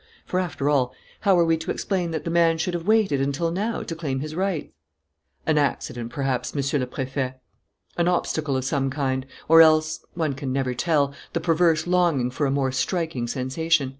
For, after all, how are we to explain that the man should have waited until now to claim his rights?" "An accident, perhaps, Monsieur le Préfet, an obstacle of some kind. Or else one can never tell the perverse longing for a more striking sensation.